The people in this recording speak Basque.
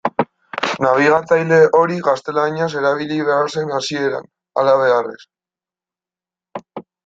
Nabigatzaile hori gaztelaniaz erabili behar zen hasieran, halabeharrez.